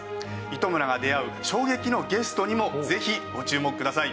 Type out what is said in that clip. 糸村が出会う衝撃のゲストにもぜひご注目ください。